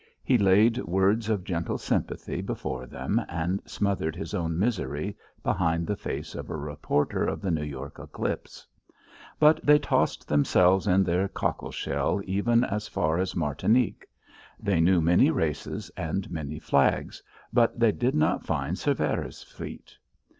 He laid words of gentle sympathy before them, and smothered his own misery behind the face of a reporter of the New York Eclipse. But they tossed themselves in their cockleshell even as far as Martinique; they knew many races and many flags, but they did not find Cervera's fleet.